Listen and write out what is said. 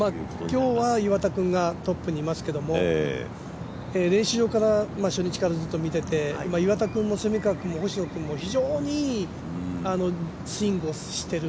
今日は岩田君がトップにいますけど練習から初日からずっと見ていて、岩田君も蝉川君も、星野君も、非常にいいスイングをしている。